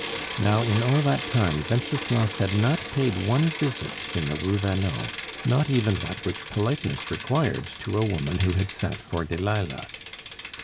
Now, in all that time Wenceslas had not paid one visit in the Rue Vanneau, not even that which politeness required to a woman who had sat for Delilah.